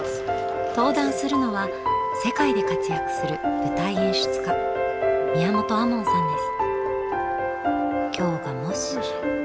登壇するのは世界で活躍する舞台演出家宮本亞門さんです。